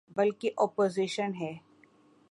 بلکہ اپوزیشن ہے۔